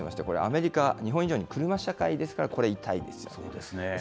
これ、アメリカ、日本以上に車社会ですから、これ、痛いですよね。